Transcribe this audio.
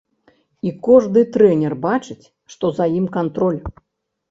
І кожны трэнер бачыць, што за ім кантроль.